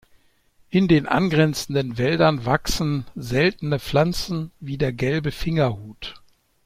In den angrenzenden Wäldern wachsen seltene Pflanzen wie der Gelbe Fingerhut.